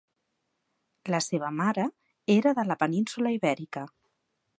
La seva mare era de la península Ibèrica.